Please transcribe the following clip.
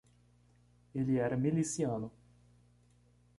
Ele era miliciano.